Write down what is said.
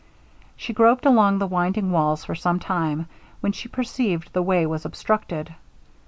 She groped along the winding walls for some time, when she perceived the way was obstructed.